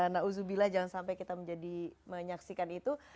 nah uzubillah jangan sampai kita menjadi menyaksikan itu